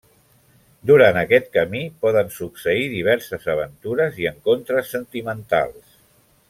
Durant aquest camí poden succeir diverses aventures i encontres sentimentals.